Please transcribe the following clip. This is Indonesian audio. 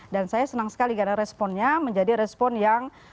dan saya senang sekali karena responnya menjadi respon yang